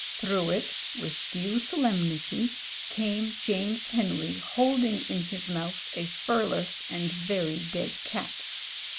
Through it with due solemnity came James Henry holding in his mouth a f urless and very dead cat.